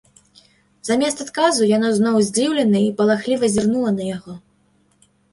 Замест адказу яна зноў здзіўлена і палахліва зірнула на яго.